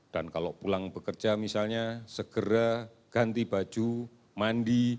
dan kalau pulang bekerja misalnya segera ganti baju mandi